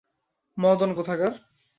মদন কোথাকার!